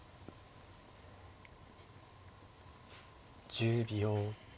１０秒。